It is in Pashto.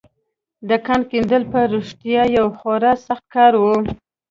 د کان کیندل په رښتيا يو خورا سخت کار و.